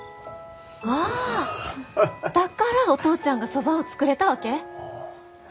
あだからお父ちゃんがそばを作れたわけ？